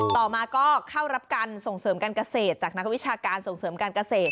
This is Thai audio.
ต่อมาก็เข้ารับการส่งเสริมการเกษตรจากนักวิชาการส่งเสริมการเกษตร